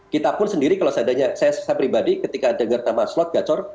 kita pun sendiri kalau saya pribadi ketika dengar nama slot gacor